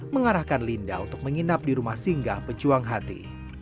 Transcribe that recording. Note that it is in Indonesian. mengarahkan linda untuk menginap di rumah singgah pejuang hati